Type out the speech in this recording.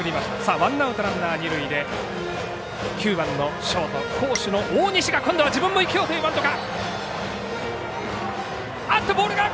ワンアウト、ランナー二塁で９番のショート好守の大西が、、今度は自分も生きようというバントか。